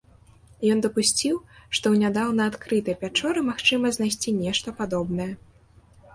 Ён дапусціў, што ў нядаўна адкрытай пячоры магчыма знайсці нешта падобнае.